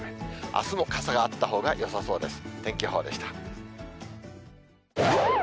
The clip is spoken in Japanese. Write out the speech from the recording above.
あすも傘があったほうがよさそうです。